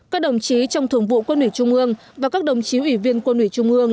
các đồng chí trong thường vụ quân ủy trung ương và các đồng chí ủy viên quân ủy trung ương